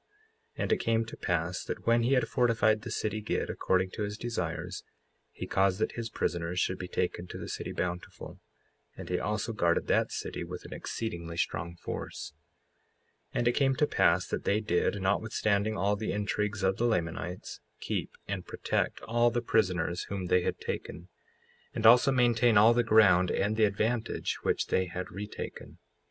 55:26 And it came to pass that when he had fortified the city Gid, according to his desires, he caused that his prisoners should be taken to the city Bountiful; and he also guarded that city with an exceedingly strong force. 55:27 And it came to pass that they did, notwithstanding all the intrigues of the Lamanites, keep and protect all the prisoners whom they had taken, and also maintain all the ground and the advantage which they had retaken.